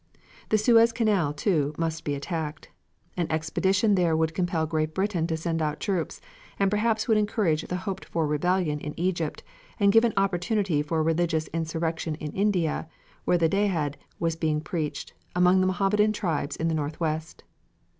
The Suez Canal, too, must be attacked. An expedition there would compel Great Britain to send out troops, and perhaps would encourage the hoped for rebellion in Egypt and give an opportunity for religious insurrection in India, where the Djehad was being preached among the Mohammedan tribes in the northwest.